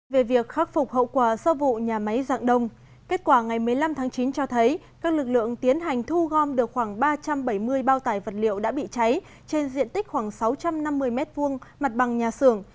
về việc khắc phục hậu quả sau vụ nhà máy dạng đông kết quả ngày một mươi năm tháng chín cho thấy các lực lượng tiến hành thu gom được khoảng ba trăm bảy mươi bao tải vật liệu đã bị cháy trên diện tích khoảng sáu trăm năm mươi m hai mặt bằng nhà xưởng